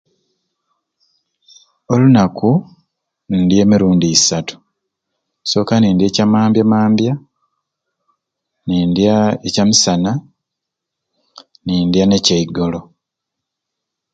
Olunaku ndya emirundi isatu nsooka nindya ekyamambyamambya nindya ekyamisana nindya ne kyaigolo